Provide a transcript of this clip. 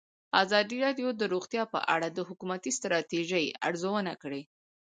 ازادي راډیو د روغتیا په اړه د حکومتي ستراتیژۍ ارزونه کړې.